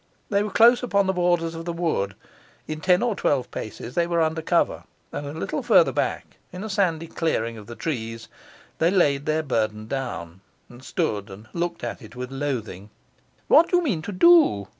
They were close upon the borders of the wood; in ten or twelve paces they were under cover; and a little further back, in a sandy clearing of the trees, they laid their burthen down, and stood and looked at it with loathing. 'What do you mean to do?